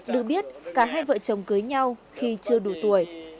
được biết cả hai vợ chồng cưới nhau khi chưa đủ tuổi